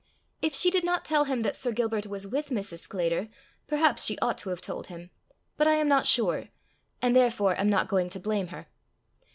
If she did not tell him that Sir Gilbert was with Mrs. Sclater, perhaps she ought to have told him; but I am not sure, and therefore am not going to blame her.